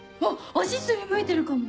足擦りむいてるかも。